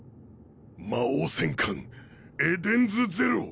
魔王戦艦エデンズゼロ。